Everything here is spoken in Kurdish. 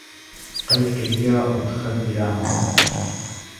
qeyd kiriye û dixe bîra me